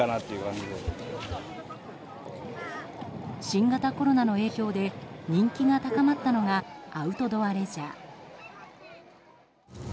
新型コロナの影響で人気が高まったのがアウトドアレジャー。